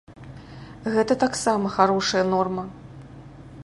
Гэта таксама харошая норма.